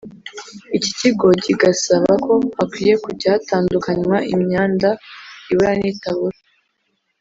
Iki kigo gigasaba ko hakwiye kujya hatandukanywa imyanda ibora n’itabora